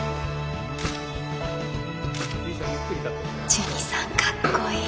ジュニさんかっこいい。